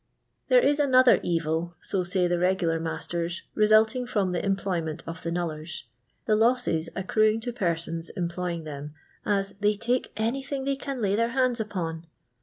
There is another evil, so say the regular masten, resulting from the employment of the knullers — the losses accruing to persons employ ing them, as " they take anything they can lay their hands upon."